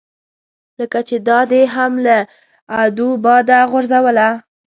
لکه چې دا دې هم له ادو باده غورځوله.